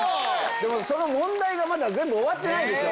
その問題がまだ全部終わってないでしょ